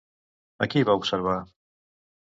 A qui va observar?